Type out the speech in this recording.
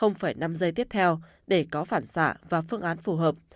năm giây tiếp theo để có phản xạ và phương án phù hợp